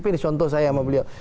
pilih contoh saya sama beliau